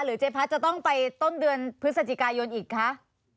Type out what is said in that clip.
เจ๊พัดจะต้องไปต้นเดือนพฤศจิกายนอีกคะ